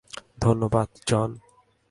ধন্যবাদ, জন।